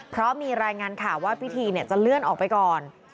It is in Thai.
เพราะมีรายงานข่าวว่าพิธีจะเลื่อนออกไปก่อน